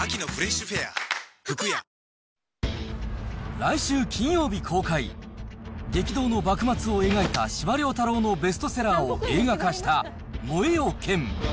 来週金曜日公開、激動の幕末を描いた司馬遼太郎のベストセラーを映画化した、燃えよ剣。